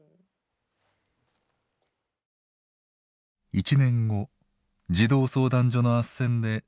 １年後児童相談所のあっせんで里親に委託。